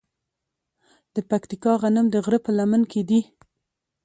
د پکتیا غنم د غره په لمن کې دي.